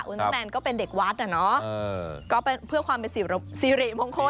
อุลตะแมนก็เป็นเด็กวัดน่ะเนอะเพื่อความเป็นสิริมงคล